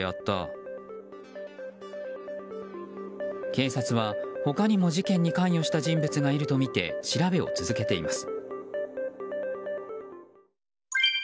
警察は、他にも事件に関与した人物がいるとみて調べを続けています。